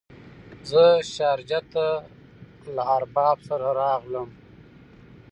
زه شارجه ته له ارباب سره راغلم.